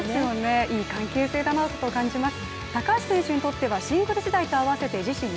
いい関係性だなと感じます。